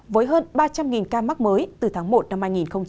với hơn ba trăm linh ca mắc mới từ tháng một năm hai nghìn hai mươi